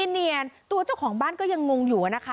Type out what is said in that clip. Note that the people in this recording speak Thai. เนียนตัวเจ้าของบ้านก็ยังงงอยู่นะคะ